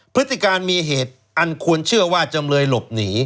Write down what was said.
พฤติการมีเหตุอันควรเชื่อว่าจำเลยหลบหนี